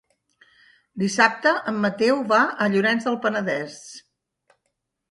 Dissabte en Mateu va a Llorenç del Penedès.